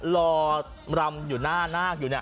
รอรำอยู่หน้านาคอยู่เนี่ย